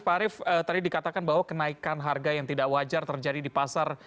pak arief tadi dikatakan bahwa kenaikan harga yang tidak wajar terjadi di pasar